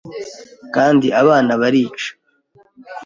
Kandi abana barica